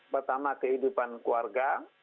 pertama kehidupan keluarga